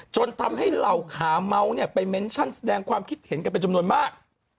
จนทำให้เหล่าขาเมาส์เนี่ยไปเม้นชั่นแสดงความคิดเห็นกันเป็นจำนวนมาก